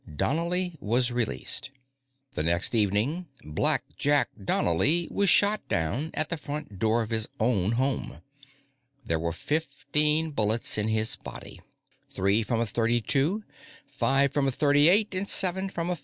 Donnely was released. The next evening, "Blackjack" Donnely was shot down at the front door of his own home. There were fifteen bullets in his body; three from a .32, five from a .38, and seven from a